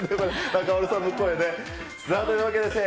中丸さんの声ね。